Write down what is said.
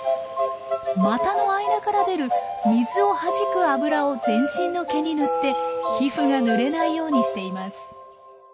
股の間から出る水をはじく脂を全身の毛に塗って皮膚がぬれないようにしています。